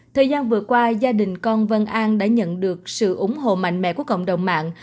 thời gian vừa qua gia đình con vân an đã nhận được sự ủng hộ mạnh mẽ của cộng đồng mạng